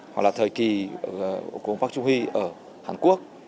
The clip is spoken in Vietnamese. hoặc là thời kỳ của ông park trung huy ở hàn quốc